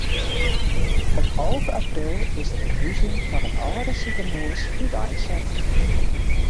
Op alve april is de ferhuzing fan it âlde sikehús úteinset.